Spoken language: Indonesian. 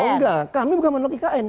oh enggak kami bukan menolak ikn